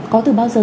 có từ bao giờ